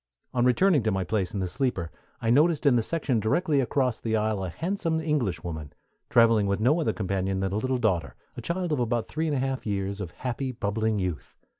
On returning to my place in the sleeper I noticed in the section directly across the aisle a handsome Englishwoman, traveling with no other companion than a little daughter, a child of about three and a half years of happy, bubbling youth.